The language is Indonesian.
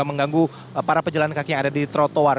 mengganggu para pejalan kaki yang ada di trotoar